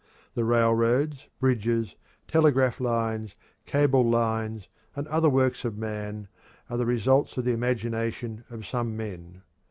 The railroads, bridges, telegraph lines, cable lines, and other works of man are the results of the imagination of some men.